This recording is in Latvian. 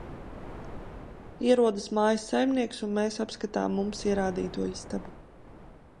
Ierodas mājas saimnieks, un mēs apskatām mums ierādīto istabu.